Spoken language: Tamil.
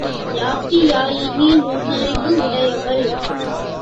யாப்பியாயினி நுண்ணறிவு உடையவள்.